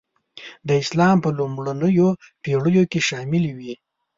د اسلام په لومړنیو پېړیو کې شاملي وې.